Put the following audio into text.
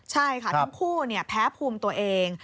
ใช่ค่ะทั้งคู่แพ้ภูมิตัวเอง